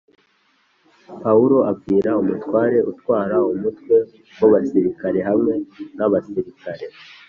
Pawulo abwira umutware utwara umutwe w abasirikare hamwe n abasirikare